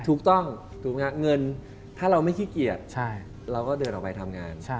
ถูกต้องถูกเงินถ้าเราไม่ขี้เกียจเราก็เดินออกไปทำงาน